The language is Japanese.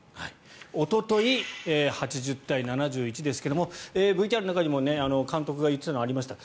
おととい、８０対７１ですけどもＶＴＲの中でも監督が言っていたのありました